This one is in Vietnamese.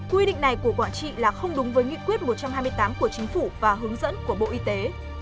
quy định này của quảng trị là không đúng với nghị quyết một trăm hai mươi tám của chính phủ và hướng dẫn của bộ y tế